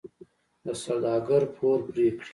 د سوداګر پور پرې کړي.